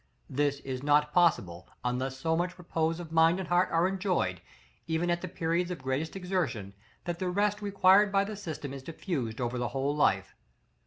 This is not possible, unless so much repose of mind and heart are enjoyed, even at the periods of greatest exertion, that the rest required by the system is diffused over the whole life.